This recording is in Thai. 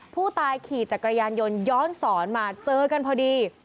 ผู้ตายขี่จักรยานยนต์ย้อนสอนมาเจอกันพอดี